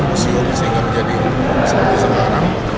museum sehingga menjadi seperti sekarang